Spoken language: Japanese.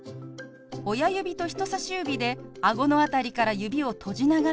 親指と人さし指であごの辺りから指を閉じながら動かします。